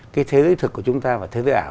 cái thế giới thực của chúng ta và thế giới ảo